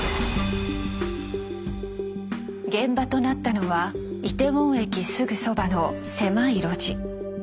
現場となったのはイテウォン駅すぐそばの狭い路地。